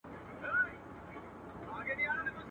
زړونه نسته په سینو کي د شاهانو.